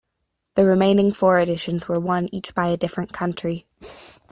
The remaining four editions were won each by a different country.